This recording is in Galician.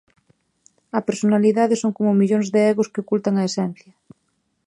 A personalidade son como millóns de egos que ocultan a esencia.